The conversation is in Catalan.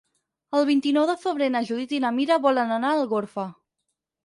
El vint-i-nou de febrer na Judit i na Mira volen anar a Algorfa.